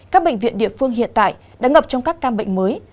các bệnh viện địa phương hiện tại đã ngập trong các ca bệnh mới